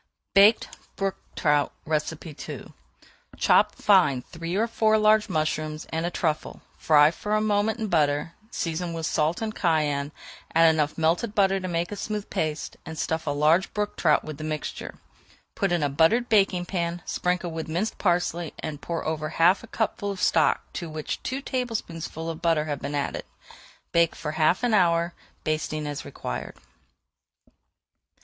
BAKED BROOK TROUT II Chop fine three or four large mushrooms and a truffle, fry for a moment in butter, season with salt and cayenne, add enough melted butter to make a smooth paste, and stuff large brook trout with the mixture. Put in a buttered baking pan, sprinkle with minced parsley, and pour over half a cupful of stock to which two tablespoonfuls of butter have been added. Bake for half an hour, basting as required.